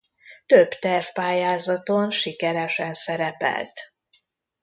Több tervpályázaton sikeresen szerepelt.